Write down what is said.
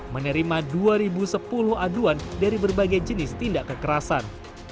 menerima dua sepuluh aduan dari berbagai jenis tindak kekerasan